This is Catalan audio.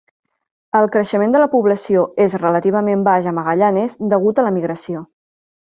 El creixement de la població es relativament baix a Magallanes degut a l"emigració.